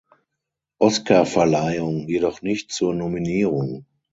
Oscarverleihung jedoch nicht zur Nominierung.